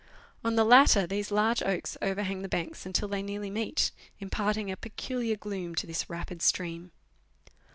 On the latter these large oaks overhang the banks until they nearly meet, impart ing a peculiar gloom to this rapid stream.